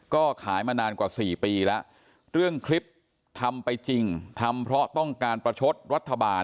ก็ขายมานานกว่า๔ปีแล้วเรื่องคลิปทำไปจริงทำเพราะต้องการประชดรัฐบาล